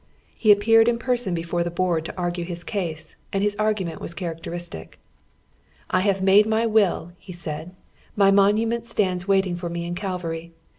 Ho appeared in person be fore the Board to argue his case, and liis argument was eliaraeteristic. '•I have made my will," he said. "My inoniinieiit stands waiting for me in Calvary.